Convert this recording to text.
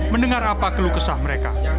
mendengar apa geluk esah mereka